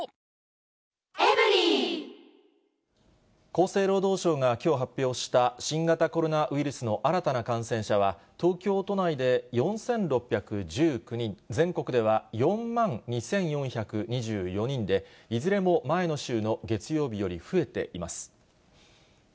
厚生労働省がきょう発表した新型コロナウイルスの新たな感染者は、東京都内で４６１９人、全国では４万２４２４人で、いずれも前の週の月曜日より増えています。